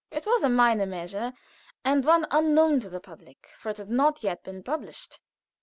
It was a minor measure, and one unknown to the public, for it had not yet been published.